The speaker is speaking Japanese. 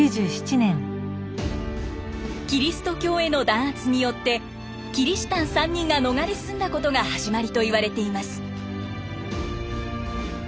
キリスト教への弾圧によってキリシタン３人が逃れ住んだことが始まりといわれています。